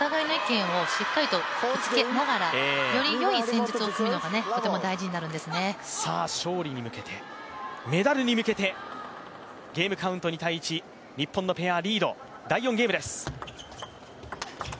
やはりお互いの意見をしっかりとぶつけながらよりよい戦術を組むのが勝利に向けてメダルに向けて、ゲームカウント、２−１、日本のペアがリード、第４ゲームです。